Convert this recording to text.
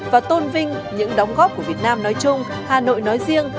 và tôn vinh những đóng góp của việt nam nói chung hà nội nói riêng